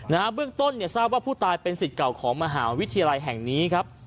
เบื้องต้นเนี่ยทราบว่าผู้ตายเป็นสิทธิ์เก่าของมหาวิทยาลัยแห่งนี้ครับ